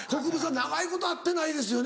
長いこと会ってないですよね？